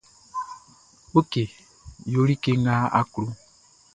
Ok yo like nʼga a klo.